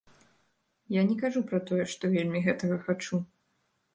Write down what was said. Я не кажу пра тое, што вельмі гэтага хачу.